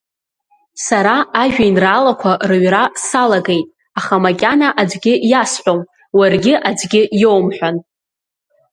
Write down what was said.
Сара ажәеинраалақәа рыҩра салагеит, аха макьана аӡәгьы иасҳәом, уаргьы аӡәгьы иоумҳәан.